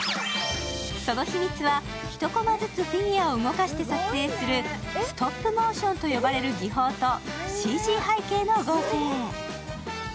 その秘密は、１こまずつフィギュアを動かして撮影するストップモーションと呼ばれる技法とＣＧ背景の合成。